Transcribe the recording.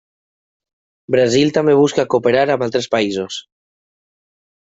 Brasil també busca cooperar amb altres països.